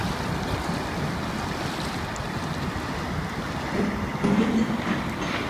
La ciudad posee a su vez como entidad gubernamental el "Municipio de la Capital".